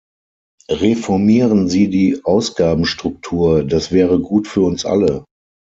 Reformieren Sie die Ausgabenstruktur, das wäre gut für uns alle.